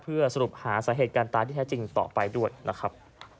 เพื่อสรุปหาสาเหตุการณ์ตายที่แท้จริงต่อไปด้วยนะครับ